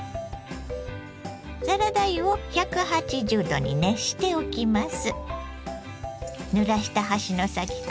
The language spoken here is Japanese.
サラダ油を１８０℃に熱しておきます。